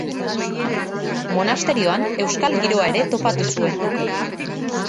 Monasterioan euskal giroa ere topatu zuen.